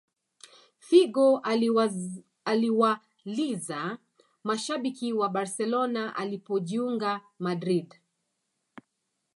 Figo aliwaliza mashabiki wa barcelona alipojiunga madrid